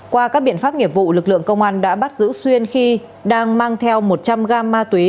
qua các biện pháp nghiệp vụ lực lượng công an đã bắt giữ xuyên khi đang mang theo một trăm linh gam ma túy